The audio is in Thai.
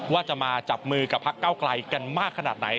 ว่าจะมาจับมือกับพักเก้าไกลกันมากขนาดไหน